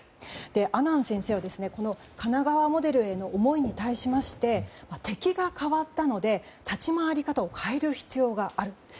阿南先生は神奈川モデルへの思いに対しまして敵が変わったので、立ち回り方を変える必要がある。